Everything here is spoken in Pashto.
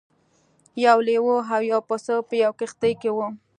یو لیوه او یو پسه په یوه کښتۍ کې وو.